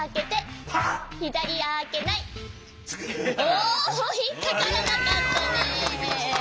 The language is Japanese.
おひっかからなかったね。